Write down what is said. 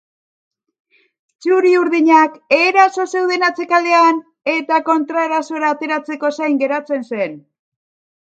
Txuri-urdinak eraso zeuden atzealdean eta kontraersora ateratzeko zain geratzen zen.